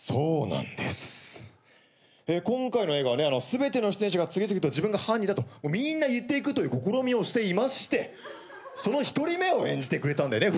全ての出演者が次々と自分が犯人だとみんな言っていくという試みをしていましてその１人目を演じてくれたんだよね